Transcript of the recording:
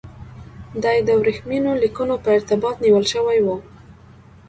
دی د ورېښمینو لیکونو په ارتباط نیول شوی و.